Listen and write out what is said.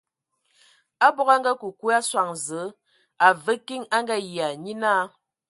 Abog a ngakǝ kwi a sɔŋ Zǝə, a və kiŋ, a Ngayia, nye naa.